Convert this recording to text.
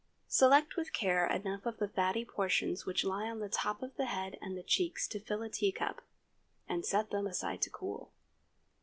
Select with care enough of the fatty portions which lie on the top of the head and the cheeks to fill a teacup, and set them aside to cool.